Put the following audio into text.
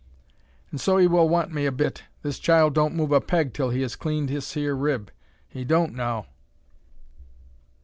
"And so 'ee will want me a bit; this child don't move a peg till he has cleaned this hyur rib; he don't, now!"